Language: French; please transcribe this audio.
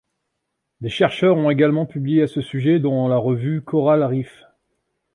Des chercheurs ont également publié à ce sujet dans la revue Coral Reefs.